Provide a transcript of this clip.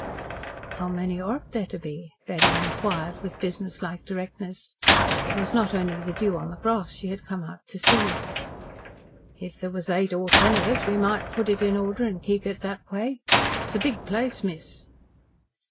"How many ought there to be?" Betty inquired, with business like directness. It was not only the dew on the grass she had come out to see. "If there was eight or ten of us we might put it in order and keep it that way. It's a big place, miss."